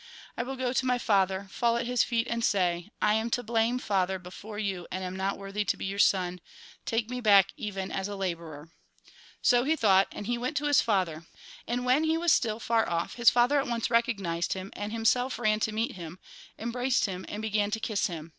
I will go to my father, fall at his feet, and say : I am to blame, father, before you, and am io6 THE GOSPEL IN BRIEF not worthy to be yonr son. a labourei .' So he thought Take me back even as , and he went to his father. And when he was still far off, his father at once recognised him, and himself ran to meet him, embraced him, and began to kiss him.